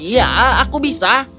ya aku bisa